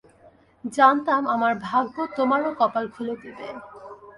জানতাম আমার ভাগ্য তোমারও কপাল খুলে দেবে।